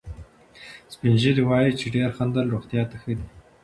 سپین ږیري وایي چې ډېر خندل روغتیا ته ښه دي.